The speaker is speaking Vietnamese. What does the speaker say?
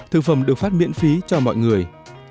thực phẩm được phát miễn phí cho mọi người